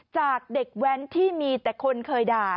จากเด็กแว้นที่มีแต่คนเคยด่า